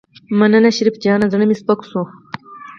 مننه شريف جانه زړه مې سپک شو.